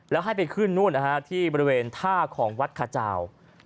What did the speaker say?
แล้วให้ไปขึ้นนู่นที่บริเวณท่าของวัดขเจ้า